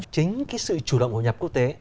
chính cái sự chủ động hội nhập quốc tế